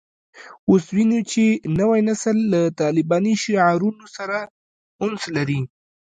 اوس وینو چې نوی نسل له طالباني شعارونو سره انس لري